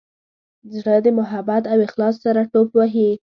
زړه د محبت او اخلاص سره ټوپ وهي.